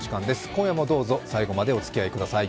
今夜もどうぞ最後までおつきあいください。